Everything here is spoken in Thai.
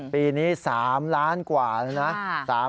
ปีนี้๓ล้านกว่าแล้วนะ